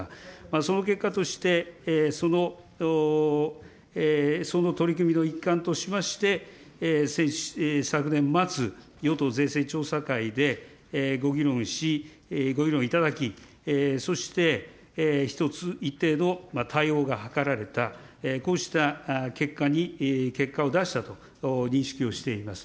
その結果として、その取り組みの一環としまして、昨年末、与党税制調査会でご議論し、ご議論いただき、そして一つ、一定の対応が図られた、こうした結果に、結果を出したと認識をしています。